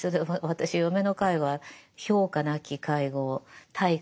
私嫁の介護は評価なき介護対価